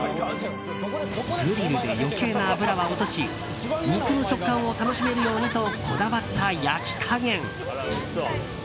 グリルで余計な脂は落とし肉の食感を楽しめるようにとこだわった焼き加減。